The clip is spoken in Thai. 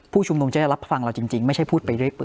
ผู้ชุมนุมจะได้รับฟังเราจริงไม่ใช่พูดไปด้วยปืน